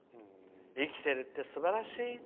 生きてるってすばらしい」。